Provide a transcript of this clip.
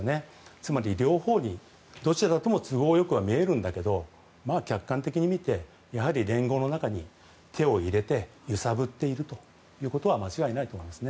つまり、両方に、どちらとも都合よくは見えるんですが客観的に見て連合の中に手を入れて揺さぶっているということは間違いないと思います。